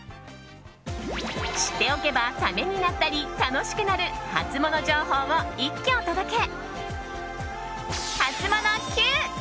知っておけば、ためになったり楽しくなるハツモノ情報を一挙お届け。